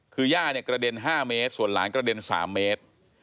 คือย่าเนี่ยกระเด็น๕เมตรส่วนหลานกระเด็น๓เมตร